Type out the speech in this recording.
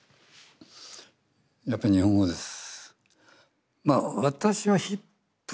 やっぱり日本語です。